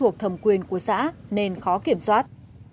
của xã nên khó kiểm soát